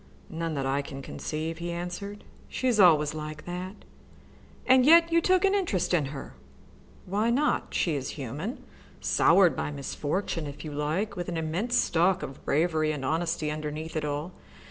"None that I can conceive," he answered. "She is always like that." "And yet you took an interest in her!" "Why not? She is human, soured by misfortune, if you like, with an immense stock of bravery and honesty underneath it all.